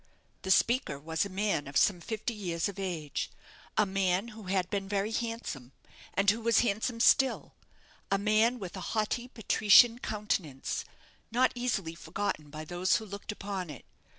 The speaker was a man of some fifty years of age a man who had been very handsome and who was handsome still a man with a haughty patrician countenance not easily forgotten by those who looked upon it.